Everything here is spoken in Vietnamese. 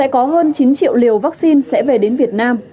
có hơn chín triệu liều vaccine sẽ về đến việt nam